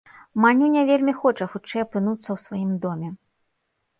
Манюня вельмі хоча хутчэй апынуцца ў сваім доме.